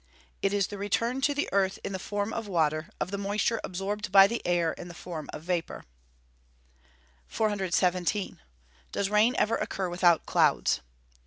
It is the return to the earth in the form of water, of the moisture absorbed by the air in the form of vapour. 417. _Does rain ever occur without clouds?